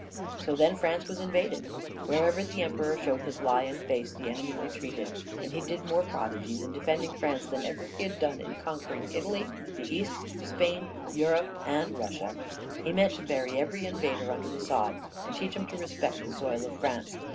"So, then, France was invaded. Wherever the Emperor showed his lion face, the enemy retreated; and he did more prodigies in defending France than ever he had done in conquering Italy, the East, Spain, Europe, and Russia. He meant to bury every invader under the sod, and teach 'em to respect the soil of France.